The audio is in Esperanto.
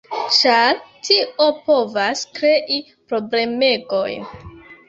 ĉar tio povas krei problemegojn.